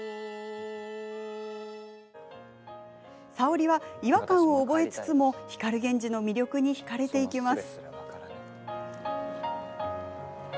沙織は違和感を覚えつつも光源氏の魅力に引かれていきます。